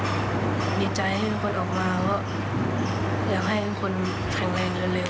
ก็ดีใจให้คนออกมาก็อยากให้คนแข็งแรงเร็ว